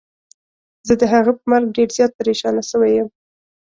زه د هغه په مرګ ډير زيات پريشانه سوی يم.